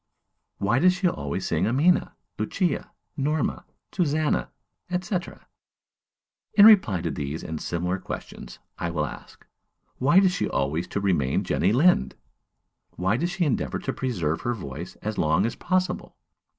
why does she always sing Amina, Lucia, Norma, Susanna, &c.? In reply to these and similar questions, I will ask, Why does she wish always to remain Jenny Lind? why does she endeavor to preserve her voice as long as possible?